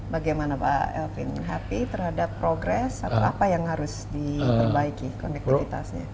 bagaimana pak elvin happy terhadap progres atau apa yang harus diperbaiki konektivitasnya